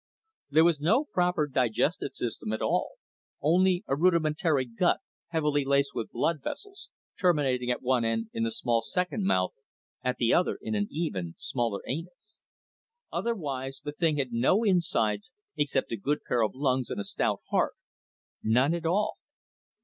There was no proper digestive system at all, only a rudimentary gut, heavily laced with blood vessels, terminating at one end in the small second mouth, at the other in an even smaller anus. Otherwise, the thing had no insides except a good pair of lungs and a stout heart none at all.